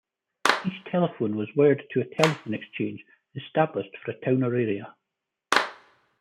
Each telephone was wired to a telephone exchange established for a town or area.